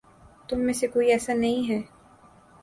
تم میں سے کوئی ایسا نہیں ہے